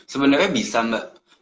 sebenernya bisa mbak